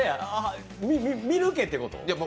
見抜けってこと？